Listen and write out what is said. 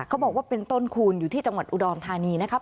เขาบอกว่าเป็นต้นคูณอยู่ที่จังหวัดอุดรธานีนะครับ